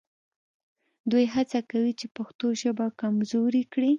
دوی هڅه کوي چې پښتو ژبه کمزورې کړي